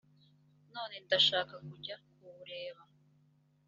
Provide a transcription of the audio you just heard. none ndashaka kujya kuwureba